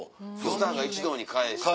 スターが一堂に会して。